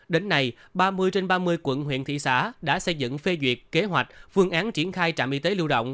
đến nay ba mươi trên ba mươi quận huyện thị xã đã xây dựng phê duyệt kế hoạch phương án triển khai trạm y tế lưu động